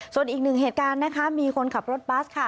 ส่วนอีกหนึ่งเหตุการณ์นะคะมีคนขับรถบัสค่ะ